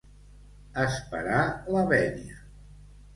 Esperar la vènia.